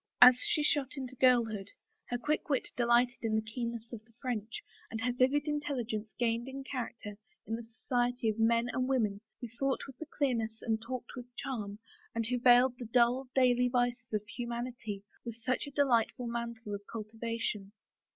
As she shot into girlhood, her quick wit delighted in the keenness of the French and her vivid intelligence gained in character in the society of men and women who thought with clearness and talked with charm, and who veiled the dull, daily vices of humanity with such a de lightful mantle of cultivation.